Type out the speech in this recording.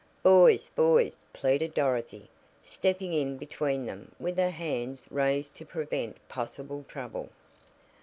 "Boys! boys!" pleaded Dorothy, stepping in between them with her hands raised to prevent possible trouble.